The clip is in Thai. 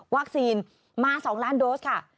วัคซีนมา๒ล้านโดสค่ะ